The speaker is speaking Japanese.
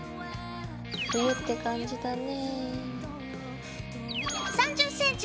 冬って感じだね。